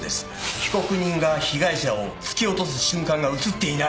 被告人が被害者を突き落とす瞬間が写っていない。